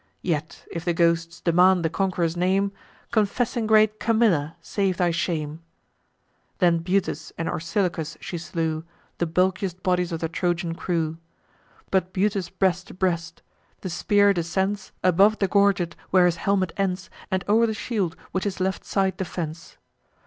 Yet, if the ghosts demand the conqu'ror's name, Confessing great Camilla, save thy shame." Then Butes and Orsilochus she slew, The bulkiest bodies of the Trojan crew; But Butes breast to breast: the spear descends Above the gorget, where his helmet ends, And o'er the shield which his left side defends.